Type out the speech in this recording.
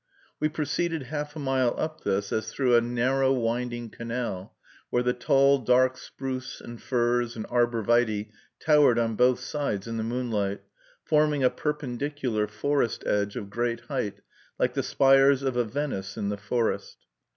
We proceeded half a mile up this as through a narrow, winding canal, where the tall, dark spruce and firs and arbor vitæ towered on both sides in the moonlight, forming a perpendicular forest edge of great height, like the spires of a Venice in the forest.